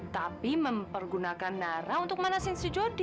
tapi mempergunakan nara untuk manasin si jodi